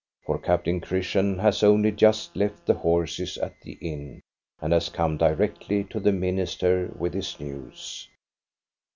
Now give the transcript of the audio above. For Captain Christian has only just left the horses at the inn, and has come directly to the minister with his news.